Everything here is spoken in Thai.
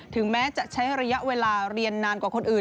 แม้จะใช้ระยะเวลาเรียนนานกว่าคนอื่น